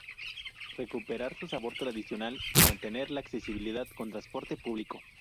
recuperar su sabor tradicional y mantener la accesibilidad con transporte público